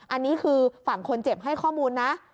อันนี้คือฝั่งคนเจ็บให้ข้อมูลนะ